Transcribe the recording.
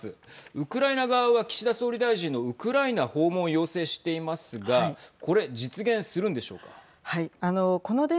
ウクライナ側は岸田総理大臣のウクライナ訪問を要請していますがこれ実現するんでしょうか。